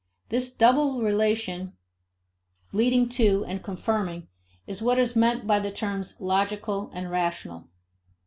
This double relation of "leading to and confirming" is what is meant by the terms logical and rational.